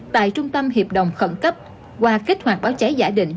tại trung tâm hiệp đồng khẩn cấp qua kích hoạt báo cháy giả định